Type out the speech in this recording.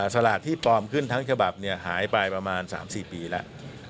สลากที่ปลอมขึ้นทั้งฉบับหายไปประมาณ๓๔ปีแล้ว